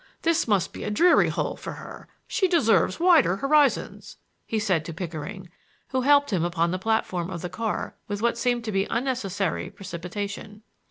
this must be a dreary hole for her; she deserves wider horizons," he said to Pickering, who helped him upon the platform of the car with what seemed to be unnecessary precipitation.